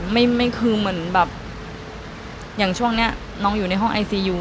ไม่คือเหมือนแบบอย่างช่วงนี้น้องอยู่ในห้องไอซียู